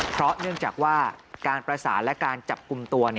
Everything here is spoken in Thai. เพราะเนื่องจากว่าการประสานและการจับกลุ่มตัว